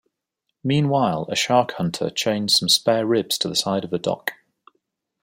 Meanwhile, a shark hunter chains some spare ribs to the side of a dock.